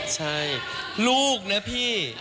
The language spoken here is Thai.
ใช่ลูกนะพี่